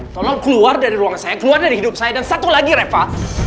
tolong keluar dari ruang saya keluar dari hidup saya dan satu lagi reva